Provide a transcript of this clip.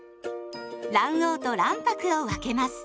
卵黄と卵白を分けます。